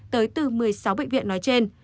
tới từ một mươi sáu bệnh viện nói trên